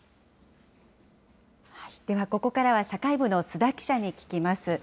ではここからは社会部の須田記者に聞きます。